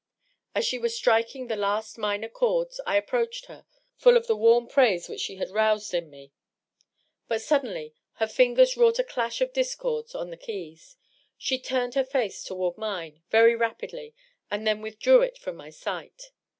As she was striking the last minor chords I approached her, full of the warm praise which she had roused in me. But suddenly her fingers wrought a clash of discords on the keys. She turned her mce toward mine, very rapidly, and then withdrew it from my sight.